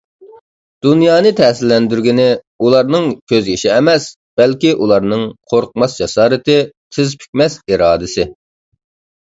دۇنيانى تەسىرلەندۈرگىنى ئۇلارنىڭ كۆز يېشى ئەمەس، بەلكى ئۇلارنىڭ قورقماس جاسارىتى، تىز پۈكمەس ئىرادىسى.